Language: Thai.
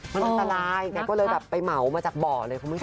มันอันตรายแกก็เลยแบบไปเหมามาจากบ่อเลยคุณผู้ชม